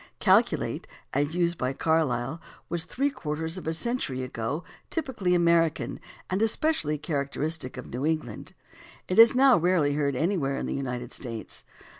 "Calculate/' as used by Carlyle, was three quarters of a century ago typically American and especially characteristic of New England. It is now rarely heard anywhere in the United States.